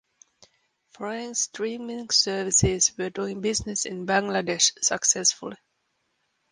Foreign streaming services were doing business in Bangladesh successfully.